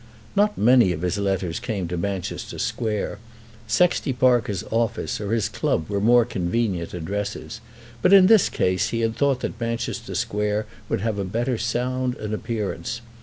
Not many of his letters came to Manchester Square. Sexty Parker's office or his club were more convenient addresses; but in this case he had thought that Manchester Square would have a better sound and appearance.